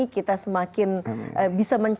kita semakin bisa mencintai